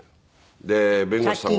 で弁護士さんが。